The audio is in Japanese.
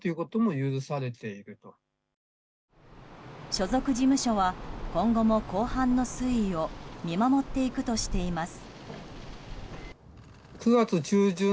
所属事務所は今後も公判の推移を見守っていくとしています。